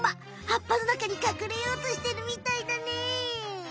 はっぱのなかに隠れようとしてるみたいだね。